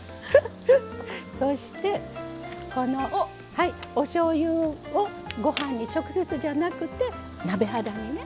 そして、おしょうゆをご飯に直接じゃなくて鍋肌にね。